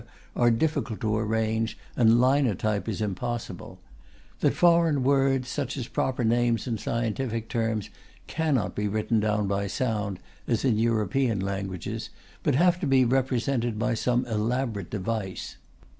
are difficult to arrange and linotype is impossible; that foreign words, such as proper names and scientific terms, cannot be written down by sound, as in European languages, but have to be represented by some elaborate device.